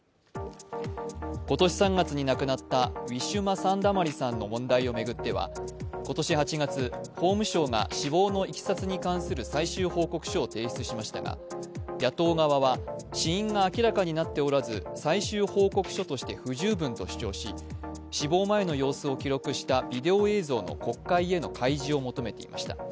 今年３月になくなったウィシュマ・サンダマリさんの問題を巡っては今年８月、法務省が死亡のいきさつに関する最終報告書を提出しましたが野党側は、死因が明らかになっておらず最終報告書として不十分と主張し、死亡前の様子を記録したビデオ映像の国会への開示を求めていました。